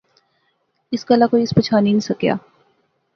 اس گلاہ کوئی اس پچھانی نی سکیا